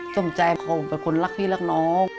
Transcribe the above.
สมใจเขาเป็นคนรักพี่รักน้อง